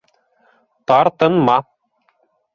Тартынма!